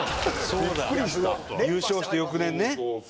そうだ優勝した翌年ね。